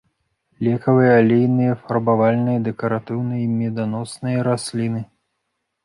Лекавыя, алейныя, фарбавальныя, дэкаратыўныя і меданосныя расліны.